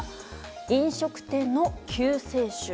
飲食店の救世主。